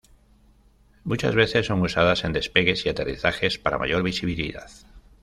Muchas veces son usadas en despegues y aterrizajes para mayor visibilidad.